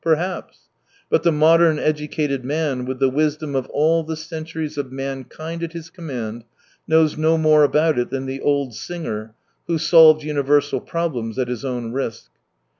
Perhaps ! But the modern educated man, with the wisdom of all the centuries of mankind at his command, knows no more about it than the old singer who solved universal problems at his own risk.